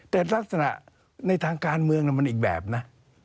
แต่ลักษณะในทางการเมืองมันอีกแบบนะ